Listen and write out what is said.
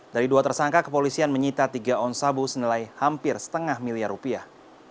dari dua tersangka kepolisian menyita tiga on sabu senilai hampir setengah miliar rupiah